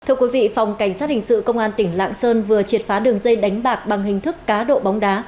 thưa quý vị phòng cảnh sát hình sự công an tỉnh lạng sơn vừa triệt phá đường dây đánh bạc bằng hình thức cá độ bóng đá